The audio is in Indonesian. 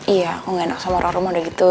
iya aku nggak enak sama orang orang udah gitu